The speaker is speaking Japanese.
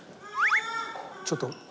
ちょっと。